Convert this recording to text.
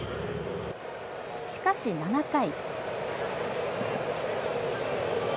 しかし、７回。